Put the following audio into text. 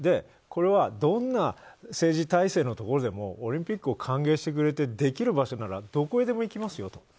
これはどんな政治体制のところでもオリンピックを歓迎してくれてできる場所ならどこへでも行きますよと。